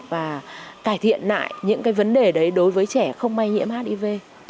và cải thiện lại những cái vấn đề đấy đối với trẻ không may nhiễm hiv